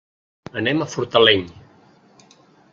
Anem a Fortaleny.